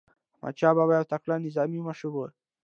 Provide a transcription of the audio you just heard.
احمدشاه بابا یو تکړه نظامي مشر و.